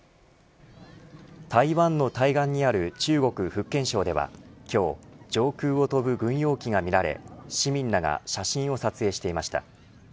台湾の対岸にある中国、福建省では今日上空を飛ぶ軍用機が見られ市民らが写真を撮影していました。